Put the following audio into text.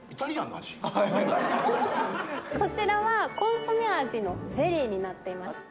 はいそちらはコンソメ味のゼリーになっています